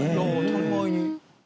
当たり前に。